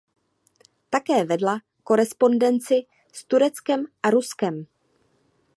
Také vedla korespondenci s Tureckem a Ruskem.